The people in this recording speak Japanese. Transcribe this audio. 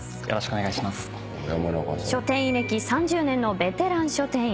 書店員歴３０年のベテラン書店員小林さんです。